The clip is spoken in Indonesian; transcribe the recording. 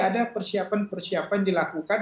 ada persiapan persiapan dilakukan